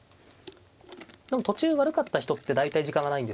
でも途中悪かった人って大体時間がないんですねこういう時。